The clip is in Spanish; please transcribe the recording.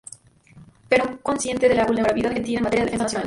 Perón consciente de la vulnerabilidad argentina en materia de defensa nacional.